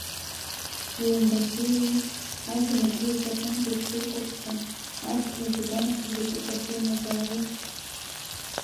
Иумбахьеи уи, ажәҩан агәы иаҵәа аҟынтә аҽеикәаԥса, адгьыл аҿы игәанаҭаз аҿаҵахәы ианазаауа?